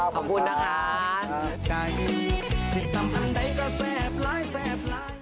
ขอบคุณครับ